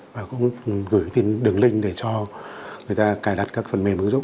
và cũng gửi tin đường link để cho người ta cài đặt các phần mềm ứng dụng